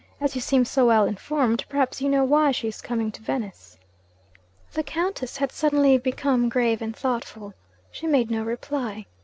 As you seem so well informed, perhaps you know why she is coming to Venice?' The Countess had suddenly become grave and thoughtful. She made no reply.